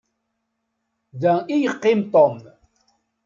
Da i yeqqim Tom.